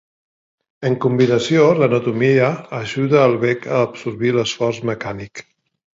En combinació, l'anatomia ajuda el bec a absorbir l'esforç mecànic.